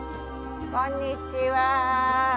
こんにちは。